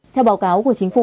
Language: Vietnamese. theo báo cáo của chính phủ